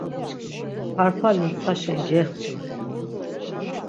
Parpali ntsaşen gextu.